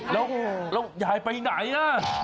แล้วยายไปไหน